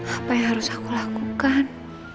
apa yang harus aku lakukan